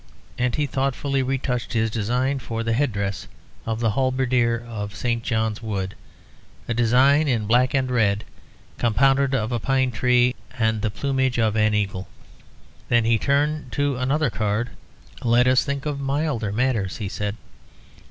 And he thoughtfully retouched his design for the head dress of the halberdier of St. John's Wood, a design in black and red, compounded of a pine tree and the plumage of an eagle. Then he turned to another card. "Let us think of milder matters," he said.